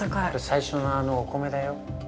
◆最初のお米だよ。